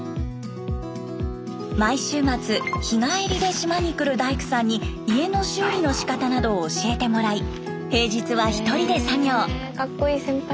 毎週末日帰りで島に来る大工さんに家の修理のしかたなどを教えてもらい平日は１人で作業。